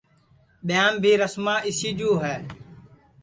ٻیاں بھی رسما اِسی جو ہے